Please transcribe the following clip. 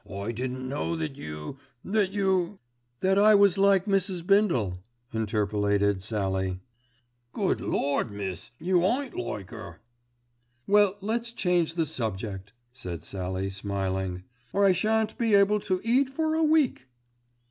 "I didn't know that you—that you——" "That I was like Mrs. Bindle," interpolated Sallie. "Good Lord! miss, you ain't like 'er." "Well, let's change the subject," said Sallie smiling, "or I shan't be able to eat for a week."